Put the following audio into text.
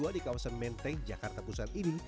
di kawasan menteng jakarta pusat ini